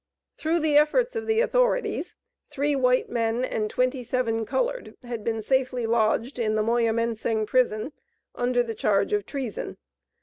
Through the efforts of the authorities three white men, and twenty seven colored had been safely lodged in Moyamensing prison, under the charge of treason.